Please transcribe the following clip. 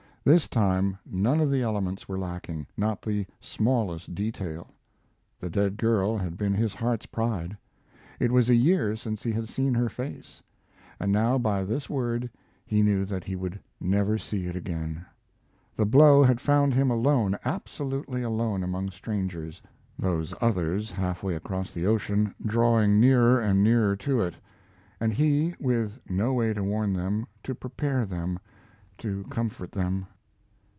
This time none of the elements were lacking not the smallest detail. The dead girl had been his heart's pride; it was a year since he had seen her face, and now by this word he knew that he would never see it again. The blow had found him alone absolutely alone among strangers those others half way across the ocean, drawing nearer and nearer to it, and he with no way to warn them, to prepare them, to comfort them.